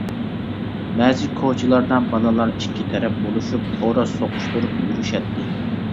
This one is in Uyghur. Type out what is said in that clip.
بەزى كوچىلاردا بالىلار ئىككى تەرەپ بولۇشۇپ، خوراز سوقۇشتۇرۇپ يۈرۈشەتتى.